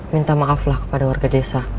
minta maaflah kepada warga desa